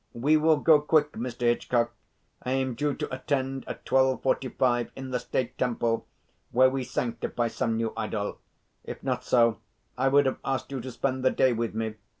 We will go quick, Mister Hitchcock. I am due to attend at twelve forty five in the state temple, where we sanctify some new idol. If not so I would have asked you to spend the day with me.